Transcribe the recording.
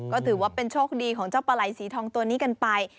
ก็ถือว่าเป็นโชคดีของเจ้าปลาไหล่สีทองตัวนี้กันไป